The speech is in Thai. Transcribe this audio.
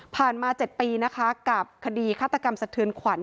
มา๗ปีนะคะกับคดีฆาตกรรมสะเทือนขวัญ